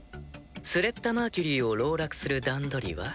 スレッタ・マーキュリーを籠絡する段取りは？